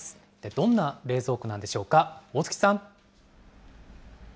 どんな冷蔵庫なんでしょうか、大槻さん。